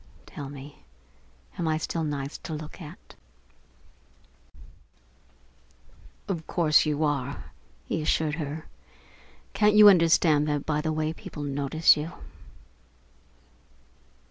Tell me, am I still nice to look at?" "Of course you are," he assured her. "Can't you understand that by the way people notice you?"